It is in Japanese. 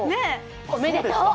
おめでとう。